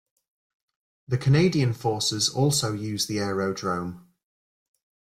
The Canadian Forces also use the aerodrome.